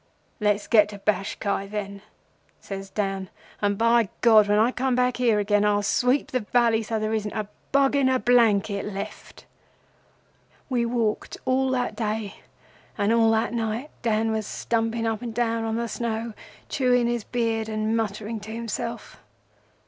"'Let's get to Bashkai, then,' says Dan, 'and, by God, when I come back here again I'll sweep the valley so there isn't a bug in a blanket left!' "'We walked all that day, and all that night Dan was stumping up and down on the snow, chewing his beard and muttering to himself.